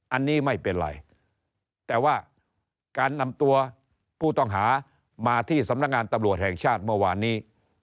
อันนี้ไม่เป็นไรแต่ว่าการนำตัวผู้ต้องหามาที่สำนักงานตำรวจแห่งชาติเมื่อวานนี้